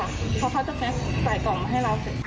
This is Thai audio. เพราะเขาจะใส่กล่องมาให้เราเสร็จ